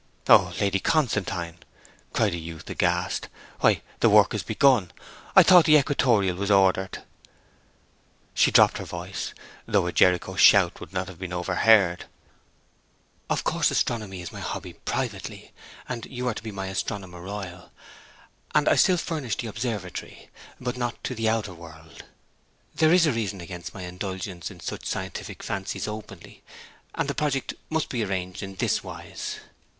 'O Lady Constantine!' cried the youth, aghast. 'Why, the work is begun! I thought the equatorial was ordered.' She dropped her voice, though a Jericho shout would not have been overheard: 'Of course astronomy is my hobby privately, and you are to be my Astronomer Royal, and I still furnish the observatory; but not to the outer world. There is a reason against my indulgence in such scientific fancies openly; and the project must be arranged in this wise.